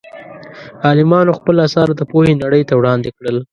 عالمانو خپل اثار د پوهې نړۍ ته وړاندې کړل.